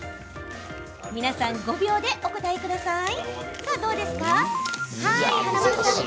皆さん、５秒でお答えください。